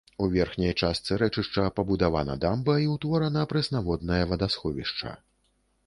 У верхняй частцы рэчышча пабудавана дамба і ўтворана прэснаводнае вадасховішча.